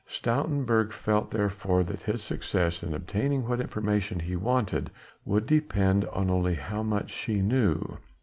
Stoutenburg felt therefore that his success in obtaining what information he wanted would depend only on how much she knew.